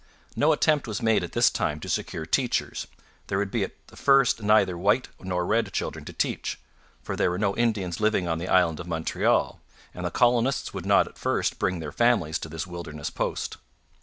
No attempt was made at this time to secure teachers; there would be at first neither white nor red children to teach, for there were no Indians living on the island of Montreal, and the colonists would not at first bring their families to this wilderness post.